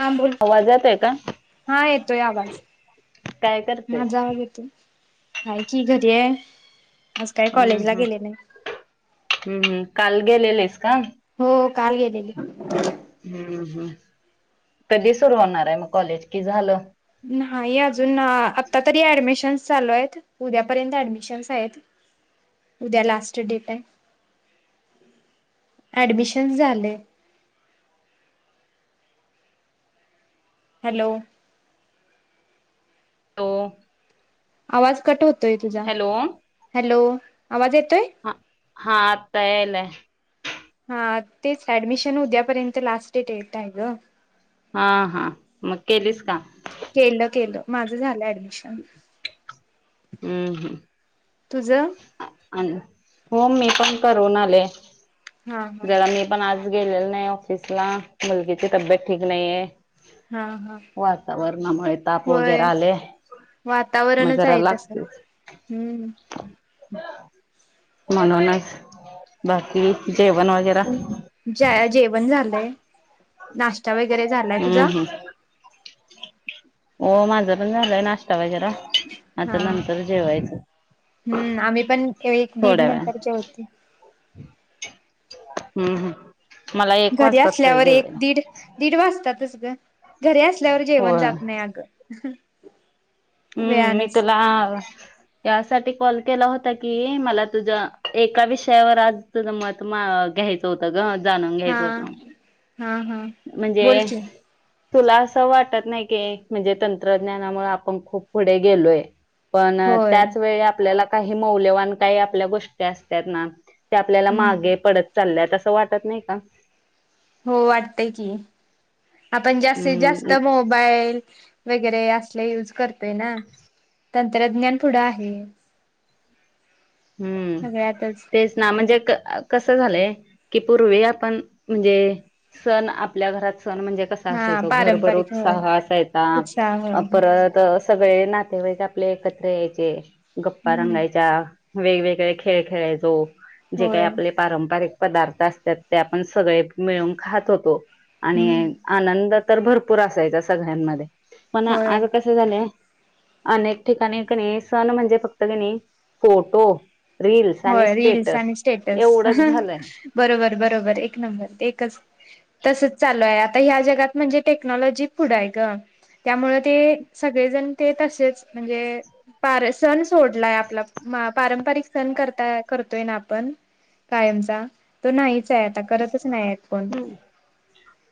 हां बोल, आवाज येतोय का? हा येतोय आवाज. काय करतेस? माझा आवाज येतोय? हाय की, घरी हाय. हम्म हम्, हम्म हम्म, काल गेले नाहीस का? हो, काल गेलेले. हम्म हम्म! कधी सुर होणार आहे मग कॉलेज, कि झालं? नाही अजून, आ आता तरी ऍडमिशन्स चालू आहेत. उद्यापर्यंत ऍडमिशन्स आहेत, उद्या लास्ट डेट हाय. ऍडमिशन झालय. हॅलो? हॅलो आवाज कट होतोय तुझा, हॅलो हॅलो, आवाज येतोय? हा हा, आत्ता यालाय. हा तेच, ऍडमिशन उद्यापर्यंत लास्ट डेट हाय ग. हा हा, मग केलीस का? केलं केलं, माझं झालं ऍडमिशन. हम् हम्. तुझं? आणि, हो, मी पण करून आले. हा हा जरा मी पण आज गेलेलो नाही ऑफिसला, मुलगीची तब्येत ठीक नाहीेये. हा हा. वातावरणामुळे ताप होय वगैरा आलय. वातावरणच हाय तसं, हम्म. म्हणूनच, बाकी जेवण वगैरा? ज जेवण झालंय, नाश्ता वगैरे झालाय, हम्म तुझा? हम्म हो, माझा पण झालंय नाश्ता वगैरा, हा आता नंतर जेवायचं. हम्म! आम्ही पण एक दीड थोड्या वेळान नंतर जेवतोय. हम्म हम्म. मला एक घरी वाजतात तरी असल्यावर एक जेवायला दीड दीड वाजतातच ग, घरी असल्यावर जेवण होय जात नाही अग. हम्म! मी तुला यासाठी कॉल केला होता की, मला तुझ्या एका विषयावर आज तुझं मत म घ्यायचं होत ग, जाणून हा घ्यायचं होतं. हा हा. म्हणजे बोल की तुला असं वाटत नाही की म्हणजे तंत्रज्ञानामुळे आपण खूप पुढे गेलोय. पण होय त्याच वेळी आपल्याला काही मौल्यवान काही आपल्या गोष्टी असतात ना. ते आपल्याला हम्म मागे पडत चालल्यात असं वाटत नाही का. हो वाटतय की आपण जास्तीत हम्म जास्त मोबाईल वगैरे असले यूज करते ना तंत्रज्ञान पुढं आहे. हम्म सगळ्यातच तेच. म्हणजे कस झालंय की पूर्वी आपण म्हणजे सण आपल्या घरात सण म्हणजे कसा हा असायचो पारंपरिक घरबरोच होय सवा असायचा. उत्साह होय परत सगळे नातेवाई का. आपले कचरे यायचे गप्पा हम्म रंगायच्या वेगवेगळे खेळ खेळायचो. जे काही होय आपले पारंपरिक पदार्थ असतात ते आपण सगळे मिळून खात होतो. आणि हम्म आनंद तर भरपूर असायचा सगळ्यांमध्ये पण होय आज कस झाले अनेक ठिकाणी कणी सण म्हणजे फक्त कणी फोटो रीलीलस आणि होय रील्स स्टेटस आणि स्टेटस एवढंच झालंय. बरोबर बरोबर एक नंबर एकच तसच चालू आहे आता ह्या जगात म्हणजे टेक्नॉलॉजी पुढं आहे ग. त्यामु ते सगळेजण ते तसेच म्हणजे प सण सोडलाय आपला पारंपरिक ण करता करतोय ना आपण कायमचा तो नाहीच आहे आता करतच नाही आहेत. कोण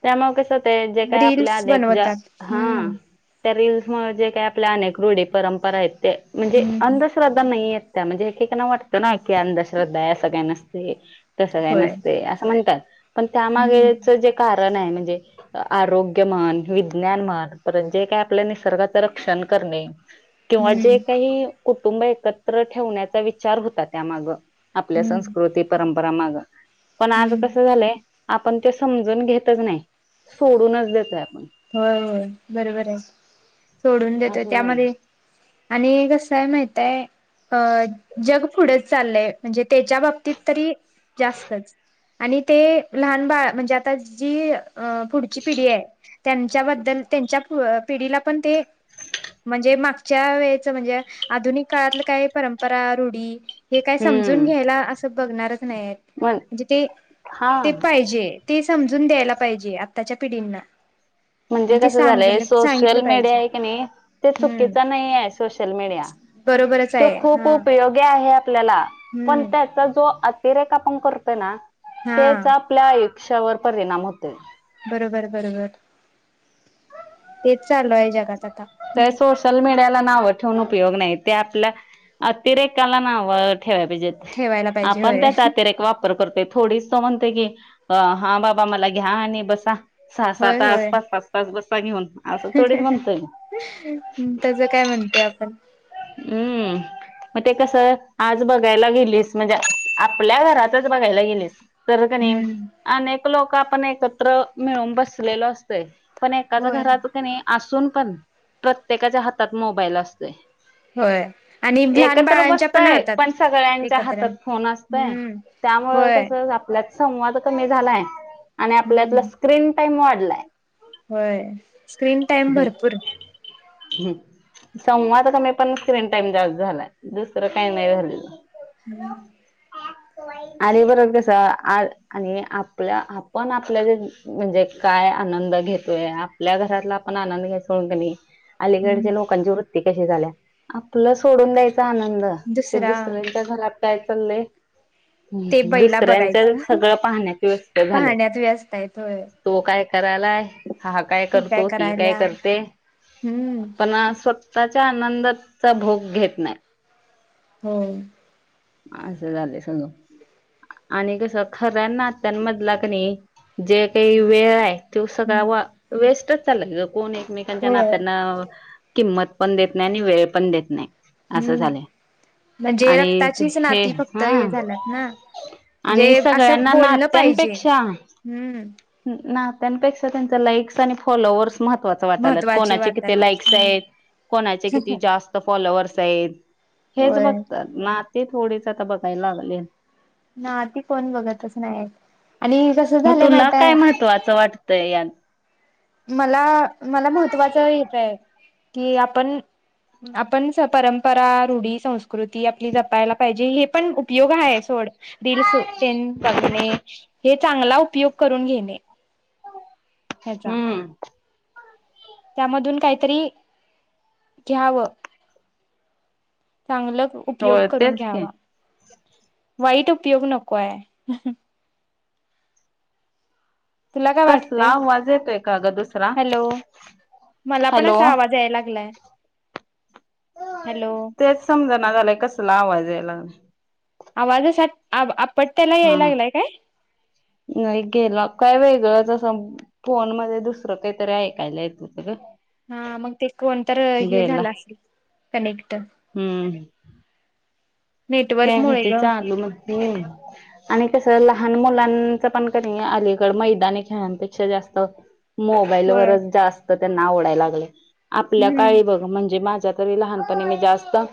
त्यामु कस होत जे काय आपल्या रील्स आध ज बनवतात हा हम्म त्या रीलल्स म जे काही आपल्या अनेक रूढी परंपरा आहेत ते म्हणजे हम्म अंध श्रद्धा नाही येत त्या म्हणजे एकेकना वाटतं ना की अंधश्रद्धा आहे सं काही नसते. तसं काही होय नसते असं म्हणतात पण हम्म त्यामागेच जे कारण आहे. म्हणजे आरोग्य म्हन विज्ञान म्हन परत जे काय आपल्या निसर्गाचं रक्षण करणे किंवा हम्म जे काही कुटुंब एकत्र ठेवण्याचा विचार होता. त्यामाग आपल्या हम्म संस्कृती परंपरा माग पण आज हम्म कसं झालंय आपण ते समजून घेतच नाही. सोडूनच देतय आपण होय होय बरोबर आहे सोडून देतोय असं झालं त्यामध्ये आणि कस आहे माहित आहे. अ जग पुढेच चाललंय म्हणजे त्याच्या बाबतीत तरी जास्तच आणि ते लहान बाळ म्हणजे आता जी अ पुढची पिढी आहे. त्यांच्याबद्दल त्यांच्या पिढीला पण ते म्हणजे मागच्या वेळेच म्हणजे आधुनिक काळातलं काय परंपरा रूढी हे काय समजून हम्म घ्यायला असं बगणारच नाइ मण मणजे ते हा ते पाइजे. ते समजून द्यायला पाइजे आत्ताच्या पिडीना. मणजे कसं झालंय सोशल सांगितलं मीडिया पाहिजे आय कणी ते हम्म चुकीच नाइय सोशल मीडिया बरोबरच त्यो आहे खूप हा उपयोगी आहे आपल्याला पण हम्म त्यात जो अतिरेक आपण करतोय ना तेच हा आपल्या आयुष्यावर परिणाम होतोय. बरोबर बरोबर हेच चालुय जगात आता सलमेड्याला नाव ठेवून उपयोग नाइ ते आपल्या अतिरेकाला नाव ठेवाय पाहिजे. ठेवायला पाहिजे आपण होय त्याचा अतिरेक वाप प्र करतय थोडीच तो म्हणतोय की, हा बाबा मला घ्या आणि बसा. सहा सहा तास पाच पाच पाच बसा घेऊन. असं थोडीच म्हणतोय हम तेज काय म्हणतय आपण. हम्म. म ते कसं आज बगायला गेलीस म्हणजे आपल्या घरातच बगायला गेलीस तर कणी, हम्म अनेक लोक आपण एकत्र मिळून बसलेलो असतोय. पण एकाच होय घरात कनाय असून पण, प्रत्येकाच्या हातात मोबाईल असतोय. होय आणि लहान एकत्र बाळांच्या बसतय पण राहतात सगळ्यांच्या एकत्र हातात फोन अस पण, हम्म त्यामुळ होय कस आपल्यात संवाद कमी झालाय, आणि आपल्यातला हम्म स्क्रीन टाइम वाढलाय. व्हय, स्क्रीन टाइम भरपूर. हम्म, संवाद कमी पण स्क्रीन टाइम जास्त झालाय, दुसरं काही नाही झालेलं. आणि आरे वर्क कस आ हे आपल्या आपण आपल्या म्हणजे काय आनंद घेतोय आपल्या घरातला आपण आनंद घ्याय सोडू कनी हम्म अलीगडच्या लोकांची वृत्ती कशी झाल्या, आपलं सोडून द्यायच आनंद ते दुसरा दुसऱ्यांच्या घरात काय चाललय? ते हम बैला दुसऱ्यांच्या बघायचं सगळं पाहण्यात व्यस्त झाल्यात. पाहण्यात व्यस्त आहेत होय तो काय करायलाय, हा काय करतो ती काय करते? हम्म. त्याच्या आनंदाचा भोग घेत नाय. हम्म. असं झालय सगळ. आणि कसं खऱ्या नात्यांमदला कनाई, जे काहि वेळ हाय त्यो सगळा हम्म वा, वेस्टच चालाय ग कोण एकमेकांच्या होय नात्यान किंमत पण देत नाई आणि वेळ पण देत नाई, असं हम्म झालंय, म्हणजे आणि रक्ताचीच हे नाती फक्त हा हे झाल्यात ना आणि म्हणजे असं सगळ्यांना बोललं पाहिजे नात्यांपेक्षा हम्म नात्यांपेक्षा त्यांच लाईक्स आणि फॉलोवर्स महत्वा च वाटाल्यात महत्त्वाचे कोणाचे किती वाटालेत लाईक्स हाईत, कोणाचे किती जास्त फॉलोवर्स हाईत, हेच होय बगतात नाति थोडीच आता बघाय लागल्यात. नाती कोण बगतच नायेत, आणि जस म तुला काय महत्वाच वाटतंय यात? मला मला महत्वाच एक ये, कि आपण आपण स परंपरा, रूढी, संस्कृती आपली जपायला पाहिजे हे पण उपयोग हाय सोड. रीलसो तेन बघणे, हे चांगला उपयोग करून घेणे. ह्याचा. हम्म. त्यामधून कायतरी, घ्यावं, चांगलं उपयोग होय करून तेच की घ्यावा, वाईट उपयोग नकोये. तुला काय कसला वाटतंय? आवाज येतोय का गं दुसरा? हॅलो मला पण हॅलो असा आवाज याय लागलाय, हॅलो. समज न झालय कसला आवाज याय लागलय? आवाज अश्या, आ - आपटत्याला याय हा लागलाय काय? नाही गेला काय वेगळंच असं फोन मध्ये दुसरं काहीतरी ऐकायला येत होत ग. हा मग ते कोण तर हे गेला झालं असल कनेक्ट. हम्म नेटवर्क काय मुळे कथे ग चालू मग [unintelligible] आणि कसं लहान मुलांचं पण की नाय अलीकड मैदानी खेळांपेक्षा जास्त होय मोबाईलवरच जास्त त्यांना आवडायला लागलं. आपल्या काळी हम्म बघ म्हणजे माझ्या तरी लहानपणी मी जास्तच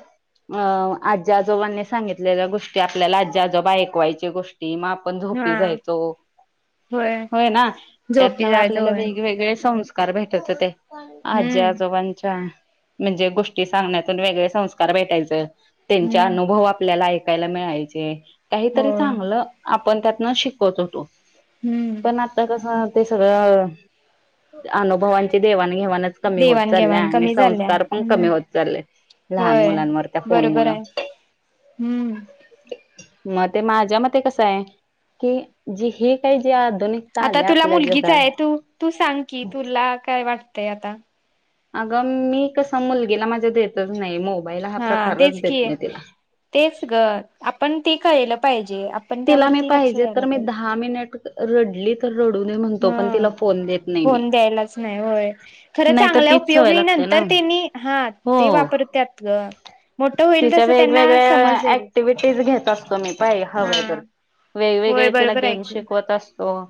आजी-आजोबांनी सांगितलेल्या गोष्टी आपल्याला आजी- आजोबा ऐकवायची गोष्टी म आपण हा झोपी जायचो. होय ना, त्यात न झोपी जायचं आपल्याला होय वेगवेगळे सं कार भेटत होते. आजी - हम्म आजोबांच्या म्हणजे गोष्टी सांगण्यातून वेगळे संस्कार भेटायचे, त्यांच्या हम्म अनुभव आपल्याला ऐकायला मिळायचे, हो काहीतरी चांगलं आपण त्यातन शिकवत होतो. पण हम्म आता कसं ते सगळं अनुभवांची देवाण घेवाणच कमी होत चालले देवाणघेवाण आणि कमी झाल्या संस्कार पण हम्म कमी होत चालले. लहान होय मुलांवर त्या फोन मूळ बरोबर आहे हम्म. मग ते माझ्या मते कस आहे, की जी हे काही जे आधुनिक आता तुला मुलगीच आहे, तू- तू सांग की तुला काय वाटतय आता. अगं मी कस मुलगीला माझ्या देतच नाही मोबाईल हा प्रकारच तेच की देत नाही तिला. तेच ग, आपण ते कळेलं पाहिजे आपण त्यावरती लक्ष द्यायला पाहिजे. आम्ही नाही कुठे हम, फोन देत नाही मी. फोन द्यायलाच नाही होय खरं नाहीतर चांगल्या तीच सवय उपयोगी लागते ना नंतर त्यांनी, हा हो ते वापरत्यात ग. मोठं होईल तिच्या तसं त्यांना वेगवेगळ्या समजेल ऍक्टिव्हिटी घेता तुम्ही हा हवे तर होय वेगवेगळे तिला बरोबर आहे गेम की शिकवत असतो.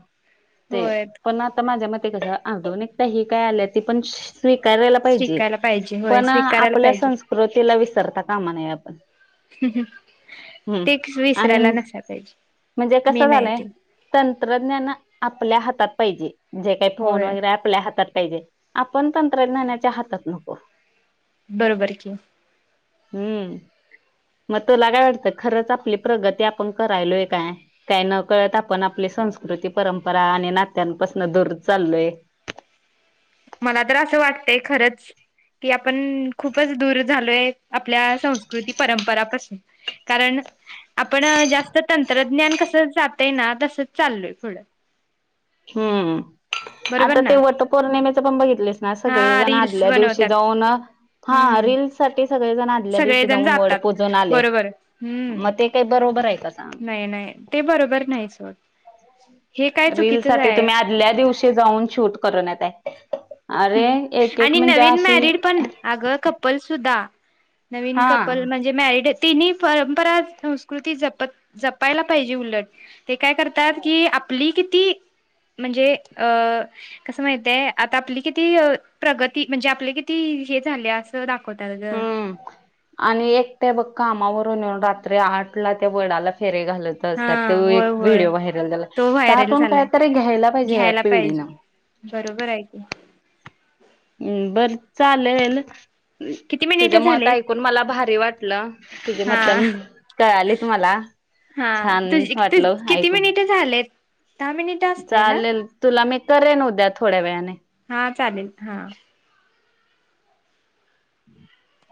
ते होय पण आ आता माझ्या मते कस आधुनिक त्या हे काय आल्या ते पण स्वीकारयला पाहिजे, शिकायला पाहिजे होय पण स्वीकारायला आपल्या पाहिजे संस्कृतीला विसरता कामा नाही आपण. हम्म ते विसरायला आणि नसायला पाहिजे. म्हणजे मी कसं नाही झालंय ते तंत्रज्ञान आपल्या हातात पाहिजे. जे काही फोन होय वगैरे आपल्या हातात पाहिजे, आपण तंत्रज्ञानाच्या हातात नको. बरोबर की. हम्म, मग तुला काय वाटतं खरंच आपली प्रगती आ आपण करायलोय काय, का न कळत आपण आपली संस्कृती परंपरा आणि ना त्यांपासून दूर चालोय मला तर असं वाटतंय खरंच की आपण खूपच दूर झालोय आपल्या संस्कृती परंपरापासून. कारण आपण जास्त तंत्रज्ञान कस जातय ना तसच चाललोय पुढ. हम्म, बरोबर आता ते ना वट पौर्णिमेचं पण बघितलेस हा सगळेजण रील्स आदल्या दिवशी बनवतात जाऊन, हा हम्म रील साठी सगळेजण ल्या दिवशी सगळेजण जाऊन वड जातात पूजून आले. बरोबर हम्म मग ते काही बरोबर आहे का सांग? नाही -नाही ते बरोबर नाहीच ओ. रील साठी तुम्ही आदल्या दिवशी जाऊन शूट करून येताय. अरे एक- एक म्हणजे अशी आगं कपल सुद्धा, नवीन हा कपल म्हणजे जे मॅरड तिन परंपरा संस्कृती जपत जपायला पाहिजे उलट. ते काय करतात कि, आपली किती? म्हणजे अ कसं माहितीये आता आपली किती अ प्रगती, म्हणजे आपले किती हे झाले असं दाखवतात ग. हम्म. आणि एकट्या बघ कामावरून येऊन, रात्री आठ ला त्या वडाला फेरे घालत. हा तसा तो होय एक होय व्हिडिओ व्हायरल झाला, तो व्हायरल त्यातून झालाय कायतरी घ्यायला पाहिजे, या घ्यायला पाहिजे पिढीनं. बरोबर हाय की. हम् बर चालेल. म किती मिनिट तुझ्या मत झालेत ऐकून मला भारी वाटलं, तुझे हा मतं कळाले त मला. हा छान तुझ वाटलं किती ऐकून, मिनिट झालेत दहा मिनिट असते ना चालेल तुला मी करेन उद्या थोड्या वेळाने. हां चालेल, हां हम्म.